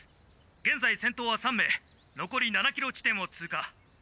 現在先頭は３名のこり７ｋｍ地点を通過。